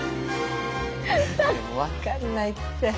もう分かんないって。